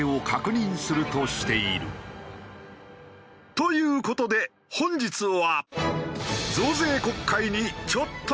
という事で本日は。